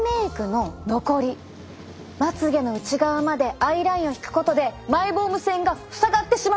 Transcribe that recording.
まつ毛の内側までアイラインを引くことでマイボーム腺が塞がってしまうんです！